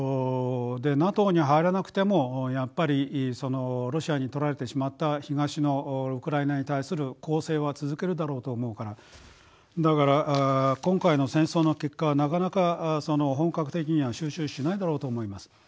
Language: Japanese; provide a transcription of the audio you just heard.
でＮＡＴＯに入らなくてもやっぱりそのロシアにとられてしまった東のウクライナに対する攻勢は続けるだろうと思うからだから今回の戦争の結果はなかなか本格的には収拾しないだろうと思います。